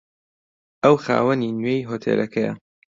ئەو خاوەنی نوێی هۆتێلەکەیە.